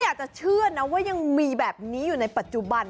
อยากจะเชื่อนะว่ายังมีแบบนี้อยู่ในปัจจุบัน